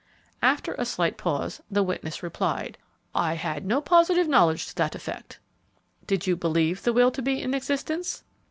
After a slight pause, the witness replied, "I had no positive knowledge to that effect." "Did you believe the will to be in existence?"